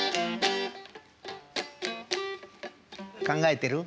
考えてる？